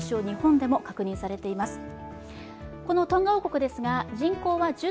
日本でも確認されています。